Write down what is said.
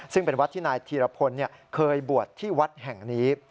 ซึ่งเป็นวัดที่นายธีรพลเคยบวชที่วัดแห่งนี้